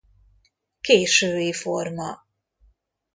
Késői forma.